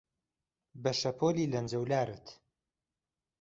بە شەپۆلی لەنجەولارت